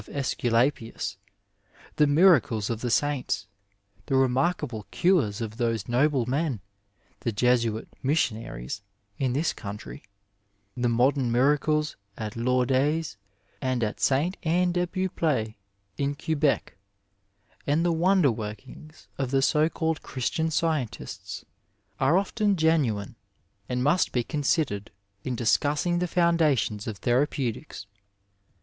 ^sculapius, the miracles of the saints, the remarkable cures of those noble men, the Jesuit mission aries, in this country, the modem miracles at Lourdes and at St. Anne de Beaupr6 in Quebec, and the wonder workings of the so called Christian Scientists, are often genuine, and must be considered in discussing the founda tions of therapeutics.